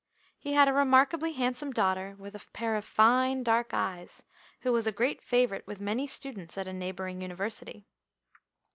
He had a remarkably handsome daughter, with a pair of fine dark eyes, who was a great favourite with many students at a neighbouring University.